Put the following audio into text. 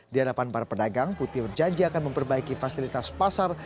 di hadapan para pedagang putih berjanji akan memperbaiki fasilitas pasar